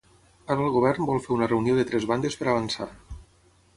Ara el govern vol fer una reunió de tres bandes per avançar.